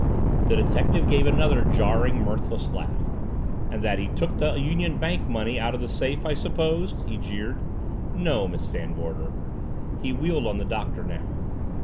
The detective gave another jarring, mirthless laugh. "And that he took the Union Bank money out of the safe, I suppose?" he jeered. "No, Miss Van Gorder." He wheeled on the Doctor now.